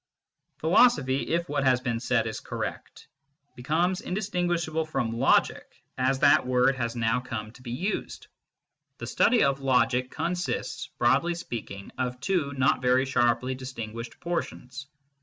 Philosophy, if what has been said is correct, becomes indistinguishable from logic as that word has now come 112 MYSTICISM AND LOGIC to be used. The study of logic consists, broadly speak ing, of two not very sharply distinguished portions.